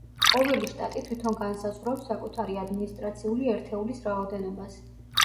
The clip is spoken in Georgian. ყოველი შტატი თვითონ განსაზღვრავს საკუთარი ადმინისტრაციული ერთეულის რაოდენობას.